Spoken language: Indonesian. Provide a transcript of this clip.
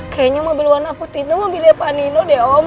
kayaknya mobil warna putih itu mobilnya pak nino deh om